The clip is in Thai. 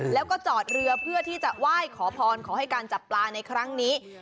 แล้วก็จอดเรือเพื่อที่จะไหว้ขอพรขอให้การจับปลาในครั้งนี้